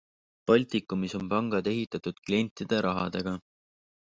Baltikumis on pangad ehitatud klientide rahadega.